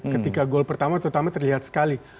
ketika gol pertama terutama terlihat sekali